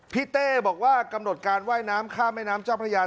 เต้บอกว่ากำหนดการว่ายน้ำข้ามแม่น้ำเจ้าพระยา